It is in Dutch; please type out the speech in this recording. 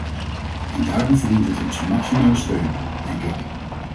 En daarom verdient het onze maximale steun, denk ik.